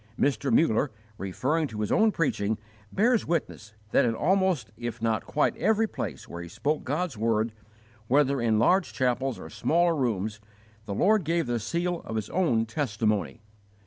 Mr. Muller, referring to his own preaching, bears witness that in almost if not quite every place where he spoke God's word, whether in larger chapels or smaller rooms, the Lord gave the seal of His own testimony.